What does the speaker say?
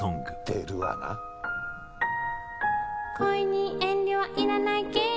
「恋に遠慮はいらないけれど」